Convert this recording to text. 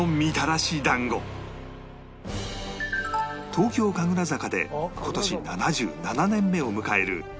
東京神楽坂で今年７７年目を迎える